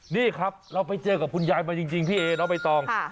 นี่ครับเราไปเจอกับคุณยายมาจริงพี่เอน้องใบตอง